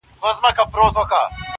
اوس له شپو سره راځي اغزن خوبونه!